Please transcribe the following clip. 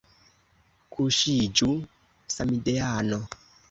Kuŝiĝu samideano!